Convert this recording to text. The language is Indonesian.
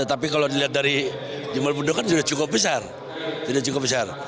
tapi kalau dilihat dari jumlah penduduk kan sudah cukup besar